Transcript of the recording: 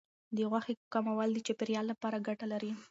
د غوښې کمول د چاپیریال لپاره ګټه لري.